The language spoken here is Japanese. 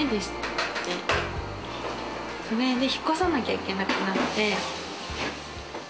それで引っ越さなきゃいけなくなって。